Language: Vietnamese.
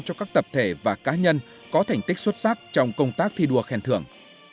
cho các tập thể và cá nhân có thành tích xuất sắc trong công tác thi đua khen thưởng